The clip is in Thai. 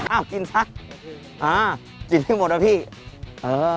อ่าจิ้นที่หมดเหรอพี่